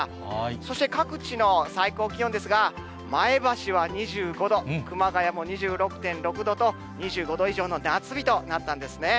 そして、各地の最高気温ですが、前橋は２５度、熊谷も２６．６度と、２５度以上の夏日となったんですね。